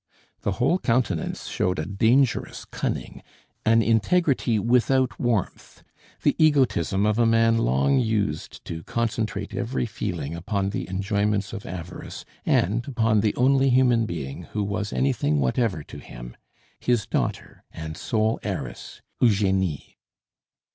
The whole countenance showed a dangerous cunning, an integrity without warmth, the egotism of a man long used to concentrate every feeling upon the enjoyments of avarice and upon the only human being who was anything whatever to him, his daughter and sole heiress, Eugenie.